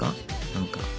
何か。